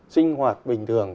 sinh hoạt bình thường